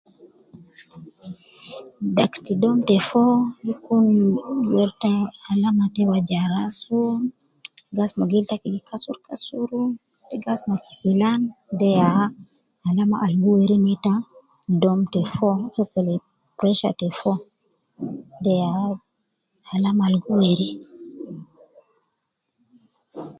Dakti dom te foo gi kun ta alama ta waja rasu te gi asuma gil taki gi kasurukasuru te gi asuma kisilan waja de ya alama al ge weri neta dom te foo sokole pressure te foo deya alama al gi weri.